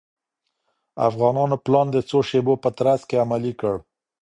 افغانانو پلان د څو شېبو په ترڅ کې عملي کړ.